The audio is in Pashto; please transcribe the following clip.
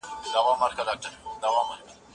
زه له سهاره انځور ګورم!.